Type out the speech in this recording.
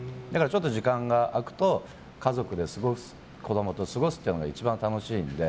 時間が空くと、家族で過ごす子供と過ごすというのが一番楽しいんで。